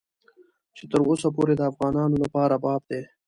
چې تر اوسه پورې د افغانانو لپاره باب دی.